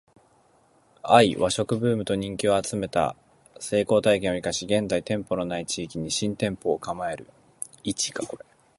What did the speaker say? ⅰ 和食ブームと人気を集めた成功体験を活かし現在店舗の無い地域に新店舗を構える